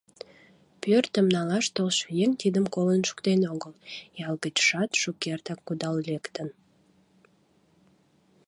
Пӧртым налаш толшо еҥ тидым колын шуктен огыл — ял гычшат шукертак кудал лектын.